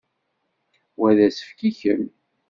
Wa d asefk i kemm.